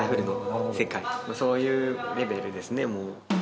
そういうレベルですね。